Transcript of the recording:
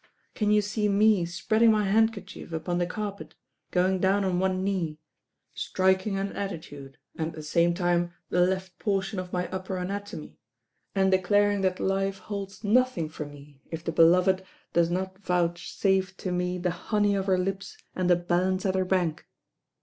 Can you see me spreading my handkerchief upon the carpet, going down on one knee, striking an at titude, and at the same time the left portion of my upper anatomy, and declaring that life holds noth ing for me if the beloved does not vouchsafe to me the honey of her lips and the balance at her bank?"